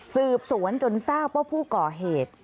สืบสวนจนทราบว่าผู้ก่อเหตุ